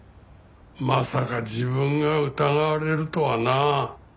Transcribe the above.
まさか自分が疑われるとはな。